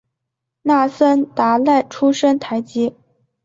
那森达赖出身台吉。